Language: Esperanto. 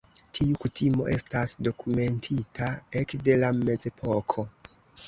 Tiu kutimo estas dokumentita ekde la Mezepoko.